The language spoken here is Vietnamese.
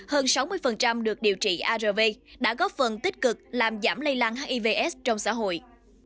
hơn sáu mươi được điều trị arv đã góp phần tích cực làm giảm lây lan hiv aids trong xã hội